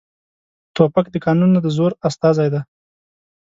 توپک د قانون نه، د زور استازی دی.